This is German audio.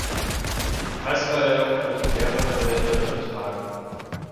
Die Preisverleihung wird in mehrere Länder übertragen.